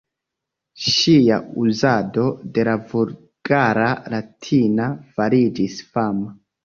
Ŝia uzado de la Vulgara Latina fariĝis fama.